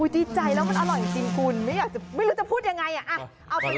ดีใจแล้วมันอร่อยจริงคุณไม่รู้จะพูดยังไง